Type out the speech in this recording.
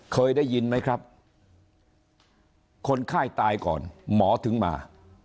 เคยได้ยินไหมครับคนไข้ตายก่อนหมอถึงมา